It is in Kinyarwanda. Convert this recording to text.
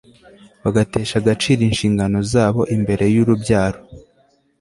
bagatesha agaciro inshingano zabo imbere yurubyaro